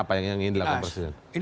apa yang ingin dilakukan presiden